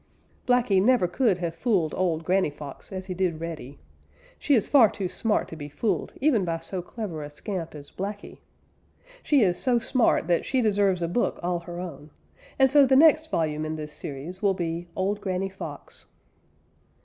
Blacky never could have fooled old Granny Fox as he did Reddy. She is far too smart to be fooled even by so clever a scamp as Blacky. She is so smart that she deserves a book all her own, and so the next volume in this series will be Old Granny Fox.